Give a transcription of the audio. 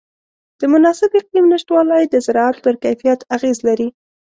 د مناسب اقلیم نهشتوالی د زراعت پر کیفیت اغېز لري.